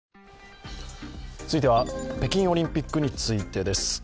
続いては、北京オリンピックについてです。